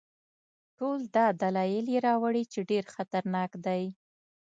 ټول دا دلایل یې راوړي چې ډېر خطرناک دی.